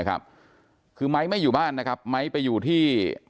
ก็เขาไม่มีนิสัยแบบนี้ค่ะ